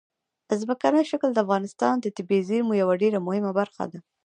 ځمکنی شکل د افغانستان د طبیعي زیرمو یوه ډېره مهمه برخه ده.